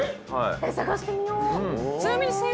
探してみよう。